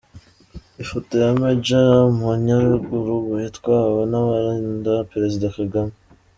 Ifoto ya Major Munyaruguru yatwawe n’abarinda Perezida Kagame!